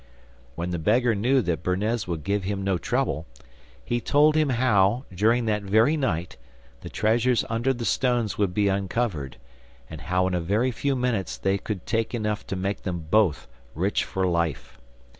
When the beggar knew that Bernez would give him no trouble, he told him how, during that very night, the treasures under the stones would be uncovered, and how in a very few minutes they could take enough to make them both rich for life.